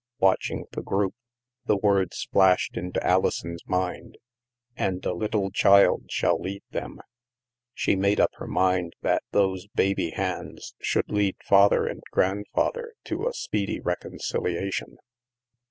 Watching the group, the words flashed into Alison's mind, "And a little child shall lead them." She made up her mind that those baby hands should lead father and grandfather to a speedy reconciliation.